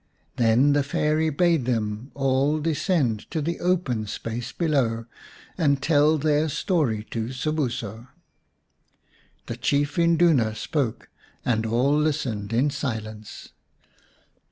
Then the Fairy bade them all descend to the open space below, and tell their story to Sobuso. The chief Induna spoke, and all listened in silence.